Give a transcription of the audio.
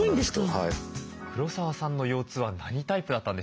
黒沢さんの腰痛は何タイプだったんでしょうか？